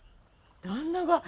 旦那が？